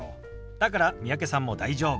だから三宅さんも大丈夫。